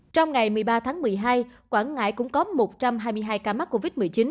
trong ngày một mươi ba tháng một mươi hai quảng ngãi cũng có một trăm hai mươi hai ca mắc covid một mươi chín